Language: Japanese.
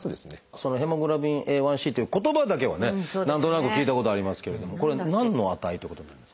そのＨｂＡ１ｃという言葉だけはね何となく聞いたことありますけれどもこれ何の値ってことになるんですか？